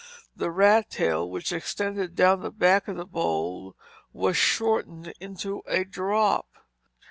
The rat tail, which extended down the back of the bowl, was shortened into a drop.